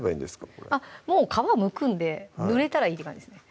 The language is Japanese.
これもう皮むくんでぬれたらいいって感じですね